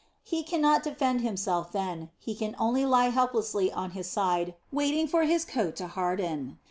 He cannot defend himself then; he can only lie helplessly on his side, waiting for his coat to harden.